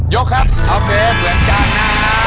ยกครับโอเคเหมือนกันนะฮะ